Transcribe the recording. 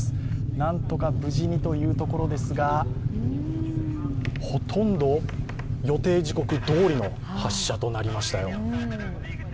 なんとか無事にというところですが、ほとんど予定時刻どおりの発射となりましたよ。